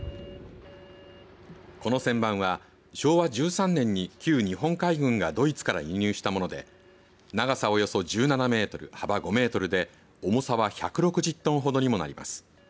この旋盤は昭和１３年に旧日本海軍がドイツから輸入したもので長さおよそ１７メートル幅５メートルで重さは１６０トンほどにもなります。